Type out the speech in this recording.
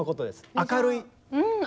明るい。